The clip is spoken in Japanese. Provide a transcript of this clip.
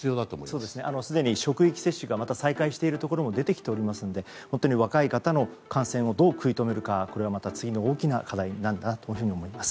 すでに職域接種がまた再開しているところも出てきていますので本当に若い方の感染をどう食い止めるのかこれはまた次の大きな課題になるなと思います。